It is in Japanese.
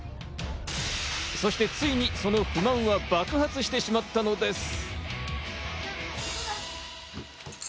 そしてついに、その不満は爆発してしまったのです。